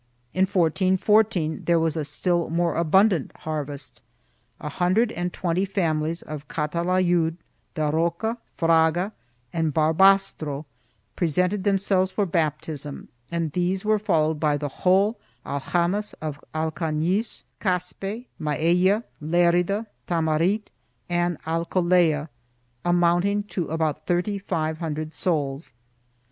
In 1414 there was a still more abundant harvest. A hundred and twenty families of Calatayud, Daroca, Fraga and Barbastro presented themselves for baptism and these were followed by the whole aljamas of Alcafiiz, Caspe, Maella, Lerida, Tamarit and Alcolea, amounting to about thirty five hundred souls.